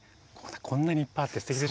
こんなにいっぱいあってすてきでしょ。